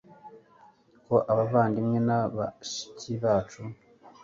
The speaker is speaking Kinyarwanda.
ko abavandimwe na bashiki bacu